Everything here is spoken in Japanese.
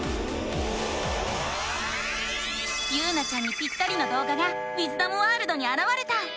ゆうなちゃんにピッタリのどう画がウィズダムワールドにあらわれた！